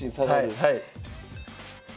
はい。